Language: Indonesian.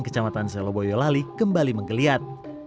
kecamatan seloboyo lali kembali menggeliat